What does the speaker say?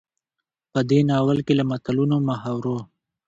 په دې ناول کې له متلونو، محاورو،